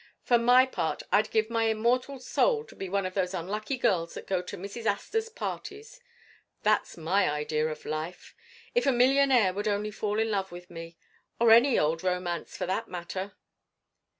For my part, I'd give my immortal soul to be one of those lucky girls that go to Mrs. Astor's parties; that's my idea of life. If a millionaire would only fall in love with me—or any old romance, for that matter!"